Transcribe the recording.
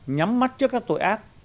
nhắm mắt trước các tội ác